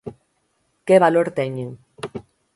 Que valor teñen.